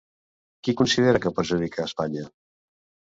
Qui considera que perjudica Espanya?